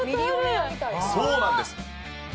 そうなんです。